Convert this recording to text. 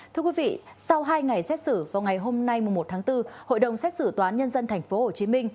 thưa quý vị sau hai ngày xét xử vào ngày hôm nay một tháng bốn hội đồng xét xử tòa án nhân dân tp hcm